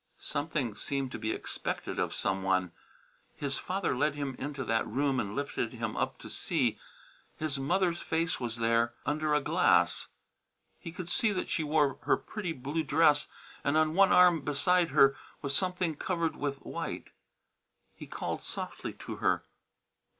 Something seemed to be expected of some one. His father led him into that room and lifted him up to see. His mother's face was there under a glass. He could see that she wore her pretty blue dress, and on one arm beside her was something covered with white. He called softly to her.